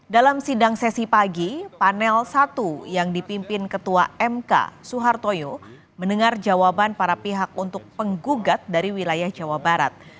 dalam sidang sesi pagi panel satu yang dipimpin ketua mk suhartoyo mendengar jawaban para pihak untuk penggugat dari wilayah jawa barat